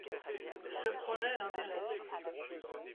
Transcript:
Ce projet l’intéresse.